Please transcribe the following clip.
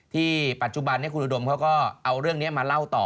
ปัจจุบันนี้คุณอุดมเขาก็เอาเรื่องนี้มาเล่าต่อ